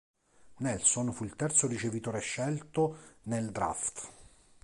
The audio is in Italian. Nelson fu il terzo ricevitore scelto nel draft.